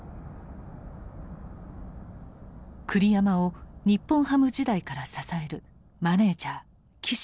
栗山を日本ハム時代から支えるマネージャー岸七百樹。